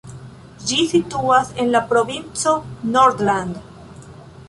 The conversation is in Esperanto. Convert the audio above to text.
Ĝi situas en la provinco Nordland.